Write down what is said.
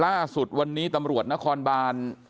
ล่าสุดวันนี้ตำรวจนครบาน